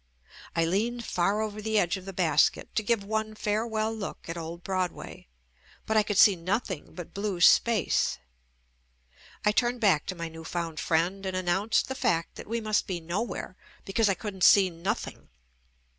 I leaned far over the edge of the basket to give one fare well look at old Broadway, but I could see nothing but blue space. I turned back to my new found friend and announced the fact that we must be "nowhere" because I couldn't see "nothing."